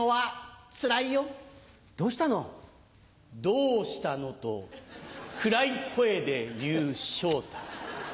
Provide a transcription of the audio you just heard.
「どうしたの」と暗い声で言う昇太。